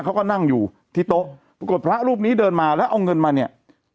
เขาก็นั่งอยู่ที่โต๊ะปรากฏพระรูปนี้เดินมาแล้วเอาเงินมาเนี่ย